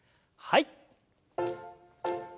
はい。